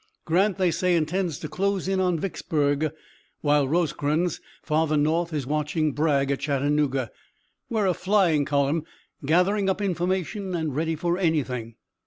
Grant, they say, intends to close in on Vicksburg, while Rosecrans farther north is watching Bragg at Chattanooga. We're a flying column, gathering up information, and ready for anything."